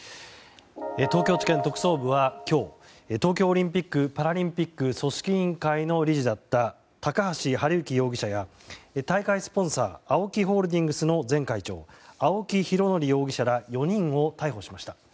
東京地検特捜部は今日東京オリンピック・パラリンピック組織委員会の理事だった高橋治之容疑者や大会スポンサーＡＯＫＩホールディングスの前会長、青木拡憲容疑者ら４人を逮捕しました。